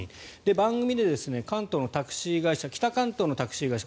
番組で関東のタクシー会社北関東のタクシー会社